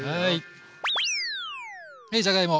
はいじゃがいも。